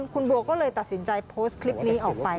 คุณบัวก็เลยตัดสินใจโพสต์คลิปนี้ออกไป